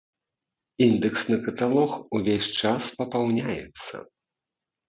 Індэксны каталог увесь час папаўняецца.